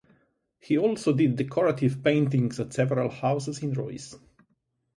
He also did decorative paintings at several houses in Reus.